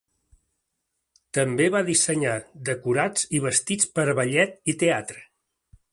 També va dissenyar decorats i vestits per a ballet i teatre.